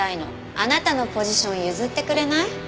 あなたのポジション譲ってくれない？